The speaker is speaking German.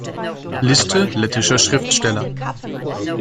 Liste lettischer Schriftsteller